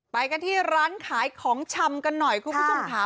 ไปกันที่ร้านขายของชำกันหน่อยคุณผู้ชมค่ะ